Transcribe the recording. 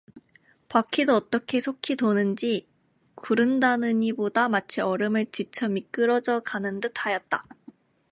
바퀴도 어떻게 속히 도는지 구른다느니 보다 마치 얼음을 지쳐 미끄러져 가는 듯하였다.